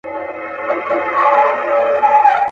هم منلو د خبرو ته تیار دی.